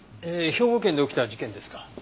兵庫県で起きた事件ですか？